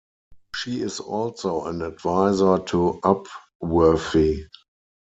She is also an advisor to Upworthy.